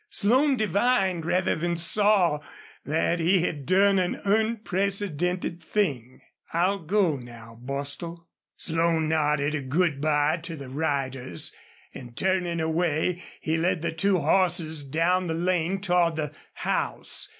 Slone divined, rather than saw, that he had done an unprecedented thing. "I'll go now, Bostil." Slone nodded a good by to the riders, and, turning away, he led the two horses down the lane toward the house.